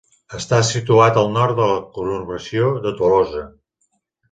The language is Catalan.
Està situat al nord de la conurbació de Tolosa.